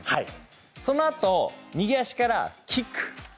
そのあと、右足からキック。